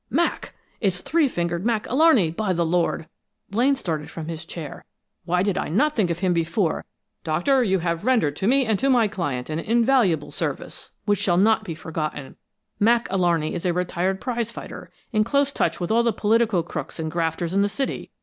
'" "Mac! It's three fingered Mac Alarney, by the Lord!" Blaine started from his chair. "Why did I not think of him before! Doctor, you have rendered to me and to my client an invaluable service, which shall not be forgotten. Mac Alarney is a retired prize fighter, in close touch with all the political crooks and grafters in the city.